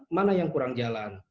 mana yang kurang jalan